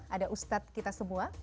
ada ustadz kita semua